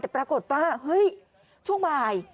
แต่ปรากฏว่าเฮ้ยช่วงบ่าย